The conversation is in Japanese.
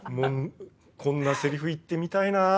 こんなセリフ言ってみたいな。